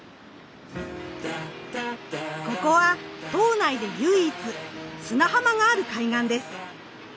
ここは島内で唯一砂浜がある海岸です。